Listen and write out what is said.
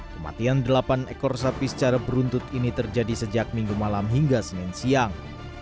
kematian delapan ekor sapi secara beruntut ini terjadi sejak minggu malam hingga senin siang